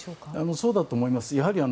そうだと思います。